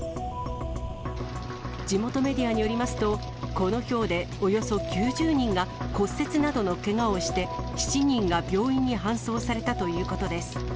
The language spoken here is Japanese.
地元メディアによりますと、このひょうで、およそ９０人が骨折などのけがをして、７人が病院に搬送されたということです。